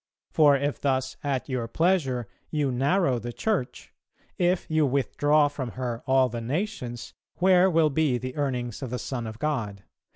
For if thus at your pleasure you narrow the Church, if you withdraw from her all the nations, where will be the earnings of the Son of God?